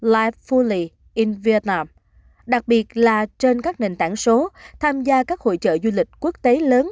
life fuli in vietnam đặc biệt là trên các nền tảng số tham gia các hội trợ du lịch quốc tế lớn